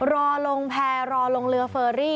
รอลงแพร่รอลงเรือเฟอรี่